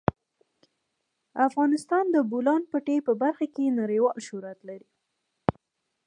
افغانستان د د بولان پټي په برخه کې نړیوال شهرت لري.